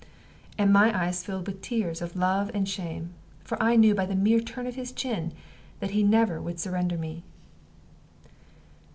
And my eyes filled with tears of love and shame, for I knew by the mere turn of his chin that he never would surrender me.